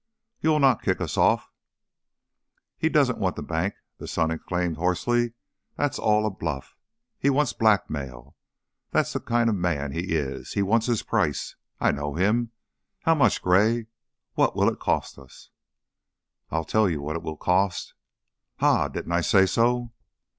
You'll not kick us off " "He doesn't want the bank," the son exclaimed, hoarsely. "That's all a bluff. He wants blackmail. That's the kind of man he is. He wants his price. I know him. How much, Gray? What'll it cost us?" "I'll tell you what it will cost " "Ha! Didn't I say so?"